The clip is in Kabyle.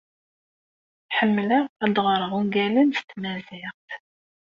Ḥemmleɣ ad ɣreɣ ungalen s tmaziɣt.